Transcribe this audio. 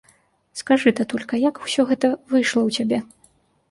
Скажы, татулька, як усё гэта выйшла ў цябе?